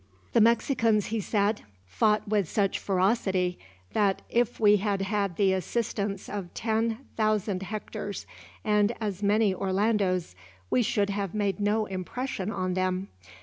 "The Mexicans," he said; "fought with such ferocity that if we had had the assistance of ten thousand Hectors, and as many Orlandos, we should have made no impression on them.